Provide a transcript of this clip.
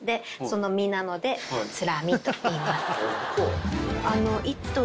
その身なので「ツラミ」といいます。